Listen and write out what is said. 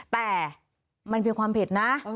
แต่มันเป็นความผิดนะ